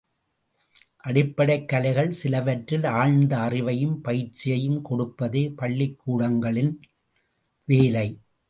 அடிப்படைக் கலைகள் சிலவற்றில் ஆழ்ந்த அறிவையும் பயிற்சியையும் கொடுப்பதே பள்ளிக்கூடங்களின் வேலை.